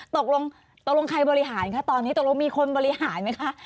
ตกลงตกลงใครบริหารคะตอนนี้ตกลงมีคนบริหารไหมคะ